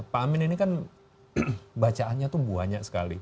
pak amin ini kan bacaannya tuh banyak sekali